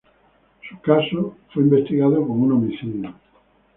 Su caso fue investigado como un homicidio.